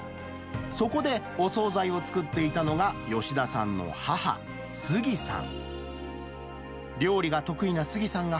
そこでお総菜を作っていたのが、吉田さんの母、すぎさん。